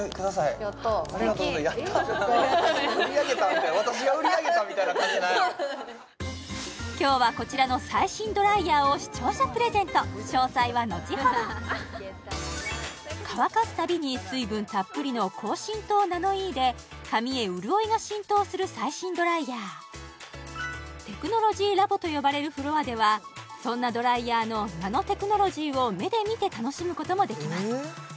「やったぁ」って今日はこちらの最新ドライヤーを視聴者プレゼント詳細は後ほど乾かすたびに水分たっぷりの高浸透ナノイーで髪へ潤いが浸透する最新ドライヤーテクノロジーラボと呼ばれるフロアではそんなドライヤーのナノテクノロジーを目で見て楽しむこともできます